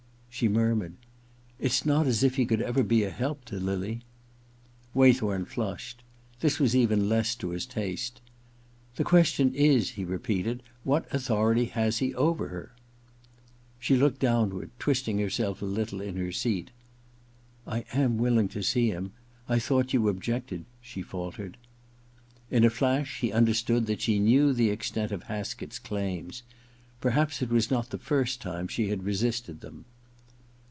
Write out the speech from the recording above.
She murmured :* It's not as if he could ever be a help to Lily * Waythorn flushed. This was even less to his taste. * The question is,' he repeated, ' what authority has he over her ?' She looked downward, twisting herself a little in her seat. *I am willing to see him — I thought you objected,' she faltered. In a flash he understood that she knew the extent of Haskett's claims. Perhaps it was not the first time she had resisted them.